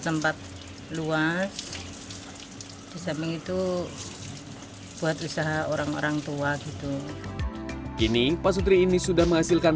tempat luas disamping itu buat usaha orang orang tua gitu ini pasutri ini sudah menghasilkan